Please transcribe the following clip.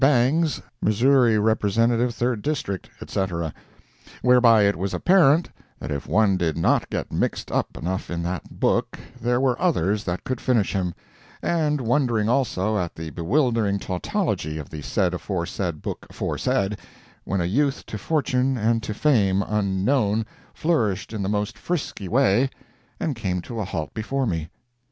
Bangs, Mo. Rep. iii, &c., whereby it was apparent that if one did not get mixed up enough in that book there were others that could finish him; and wondering also at the bewildering tautology of the said aforesaid book aforesaid, when a youth to fortune and to fame unknown, flourished in the most frisky way, and came to a halt before me.